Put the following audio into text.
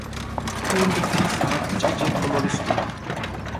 ჸუნდჷ თის ართი ჭიჭე ქომოლისქუა.